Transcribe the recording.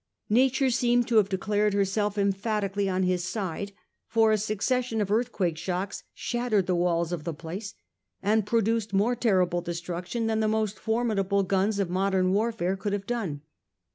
Nature seemed to have declared herself emphatically on his side, for a succession of earthquake shocks shattered the walls of the place, and produced more terrible destruction than the most formidable guns of modern warfare could have done.